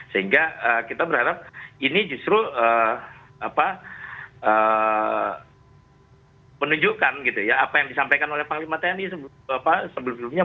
sehingga kita berharap ini justru menunjukkan apa yang disampaikan oleh panglima tni sebelum sebelumnya